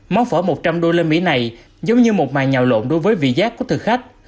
món phở một trăm linh usd này giống như một màn nhào lộn đối với vị giác của thực khách